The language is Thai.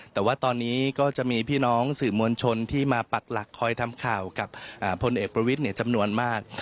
แต่ว่าตอนนี้ก็จะมีพี่น้องสื่อมวลชนที่มาปักหลักคอยทำข่าวกับพลเอกประวิทย์จำนวนมาก